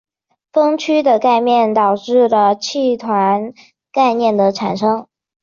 锋区的概念导致了气团概念的产生。